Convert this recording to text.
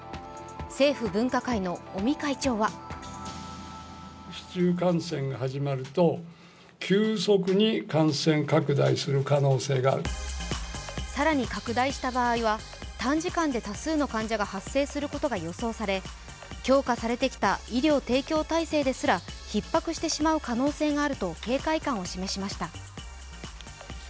政府・分科会の尾身会長は更に拡大した場合は短時間で多数の患者が発生することが予想され強化されてきた医療提供体制ですらひっ迫してしまう可能性があると警戒感を示しました。